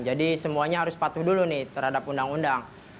jadi semuanya harus patuh dulu nih terhadap undang undang